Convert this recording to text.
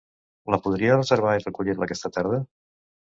La podria reservar i recollir-la aquesta tarda?